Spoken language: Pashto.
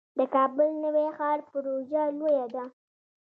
د کابل نوی ښار پروژه لویه ده